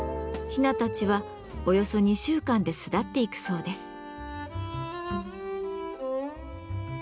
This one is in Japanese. ヒナたちはおよそ２週間で巣立っていくそうです。